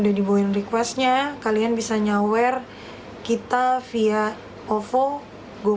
udah dibawain requestnya kalian bisa nyawar kita via ovo